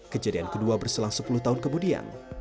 kejadian kedua berselang sepuluh tahun kemudian